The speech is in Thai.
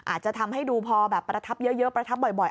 อาจจะทำให้ดูพอแบบประทับเยอะประทับบ่อย